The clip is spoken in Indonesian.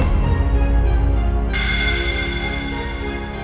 aku akan menang